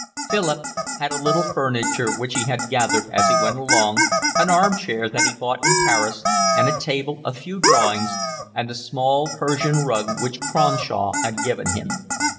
Philip had a little furniture which he had gathered as he went along, an arm chair that he had bought in Paris, and a table, a few drawings, and the small Persian rug which Cronshaw had given him.